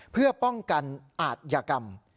เพื่อป้องกันอาทยากรรม